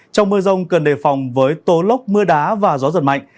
trong mưa rông cần đề phòng với tố lốc mưa đá và gió giật mạnh